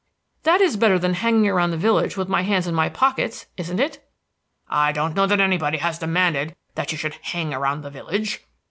"That is better than hanging around the village with my hands in my pockets. Isn't it?" "I don't know that anybody has demanded that you should hang around the village."